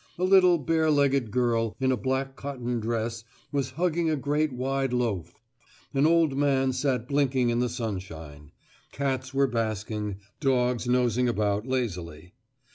A little bare legged girl, in a black cotton dress, was hugging a great wide loaf; an old man sat blinking in the sunshine; cats were basking, dogs nosing about lazily.